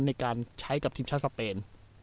ในการใช้กับทีมชาติสเปน